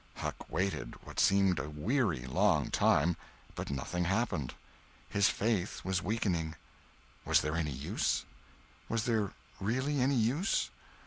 Huck waited what seemed a weary long time, but nothing happened. His faith was weakening. Was there any use? Was there really any use?